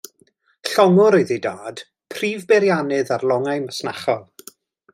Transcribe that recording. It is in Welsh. Llongwr oedd ei dad, prif beiriannydd ar longau masnachol.